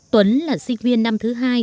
tuấn là sinh viên năm thứ hai